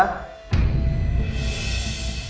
silakan saudara elsa